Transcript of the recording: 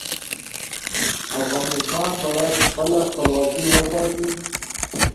افغانستان باید خپله خپلواکي وساتي.